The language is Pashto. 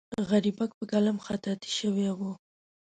غریبک په قلم خطاطي شوې وه.